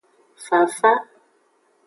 Fafa.